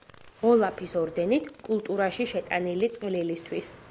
ოლაფის ორდენით „კულტურაში შეტანილი წვლილისთვის“.